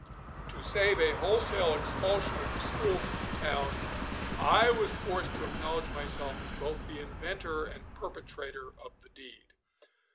To save a wholesale expulsion of the school from the town, I was forced to acknowledge myself as both the inventor and perpetrator of the deed.